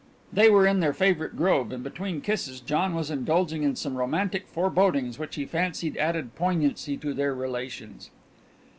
They were in their favourite grove, and between kisses John was indulging in some romantic forebodings which he fancied added poignancy to their relations.